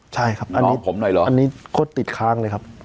ใช่ครับอันนี้ผมหน่อยเหรออันนี้ก็ติดค้างเลยครับ